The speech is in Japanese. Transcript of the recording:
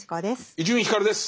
伊集院光です。